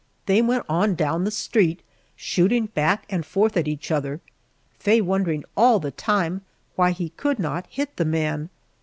They went on down the street shooting back and forth at each other, Faye wondering all the time why he could not hit the man.